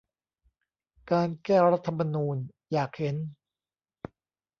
การ แก้รัฐธรรมนูญ อยากเห็น